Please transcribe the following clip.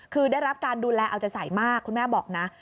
คือได้รับการดูแลเอาใจใสมากคุณแม่บอกนะ